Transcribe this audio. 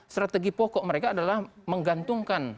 strategi pokok mereka adalah menggantungkan